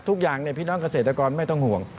ทุกอย่างพี่น้องเกษตรกรไม่ต้องห่วง